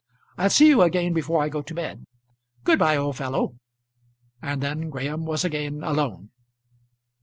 I'll see you again before I go to bed. Good bye, old fellow." And then Graham was again alone.